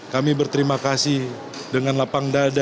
kami berterima kasih dengan lapang dada